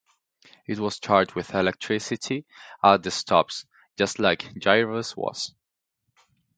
It was charged with electricity at the stops - just like the Gyrobus was.